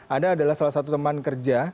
anda adalah salah satu teman kerja